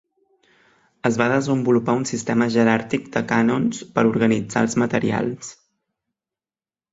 Es va desenvolupar un sistema jeràrquic de canons per organitzar els materials.